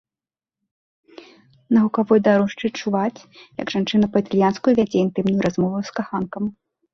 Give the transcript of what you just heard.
На гукавой дарожцы чуваць, як жанчына па-італьянску вядзе інтымную размову з каханкам.